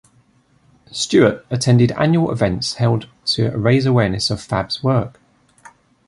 Stewart attended annual events held to raise awareness of Phab's work.